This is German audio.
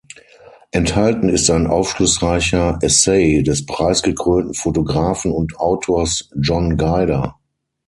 Enthalten ist ein aufschlussreicher Essay des preisgekrönten Fotografen und Autors John Guider.